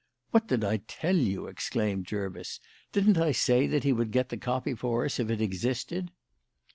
"What did I tell you?" exclaimed Jervis. "Didn't I say that he would get the copy for us if it existed?"